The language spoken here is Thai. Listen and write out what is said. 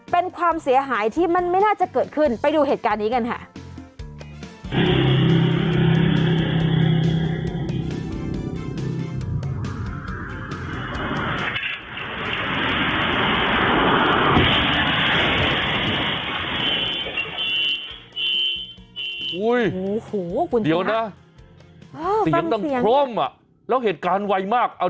เป็นความเสียหายที่มันไม่น่าจะเกิดขึ้นไปดูเหตุการณ์นี้กันค่ะ